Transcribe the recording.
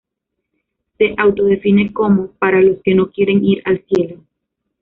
Se autodefine como "Para los que no quieren ir al cielo".